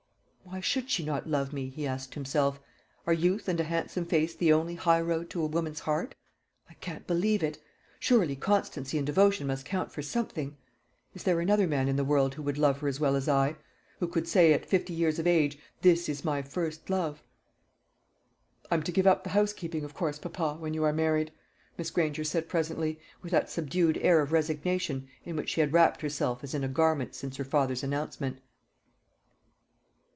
"Why should she not love me?" he asked himself. "Are youth and a handsome face the only high road to a woman's heart? I can't believe it. Surely constancy and devotion must count for something. Is there another man in the world who would love her as well as I? who could say, at fifty years of age, This is my first love?" "I am to give up the housekeeping, of course, papa, when you are married," Miss Granger said presently, with that subdued air of resignation in which she had wrapped herself as in a garment since her father's announcement.